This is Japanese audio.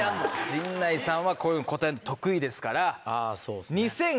陣内さんはこういうの答えるの得意ですから。